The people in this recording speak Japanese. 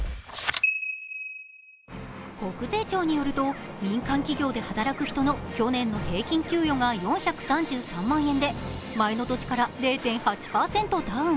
国税庁によると民間企業で働く人の去年の平均給与が４３３万円で前の年から０．８％ダウン。